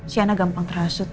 sienna gampang terhasut